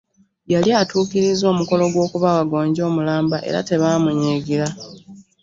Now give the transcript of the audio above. Yali atuukirizza omukolo gw’okubawa gonja omulamba era tebaamunyiigira.